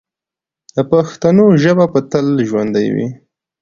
د پښتنو ژبه به تل ژوندی وي.